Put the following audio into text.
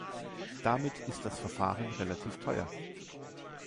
Damit ist das Verfahren relativ teuer.